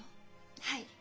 はい。